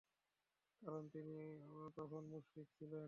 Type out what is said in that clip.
কারণ তিনি তখন মুশরিক ছিলেন।